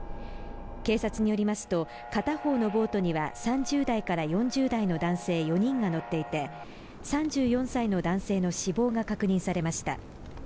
警察によりますと、片方のボートには３０代から４０代の男性４人が乗っていて、３４歳の男性の死亡が確認されました。